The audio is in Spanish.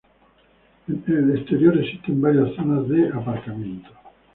En el exterior existen varias zonas de aparcamiento.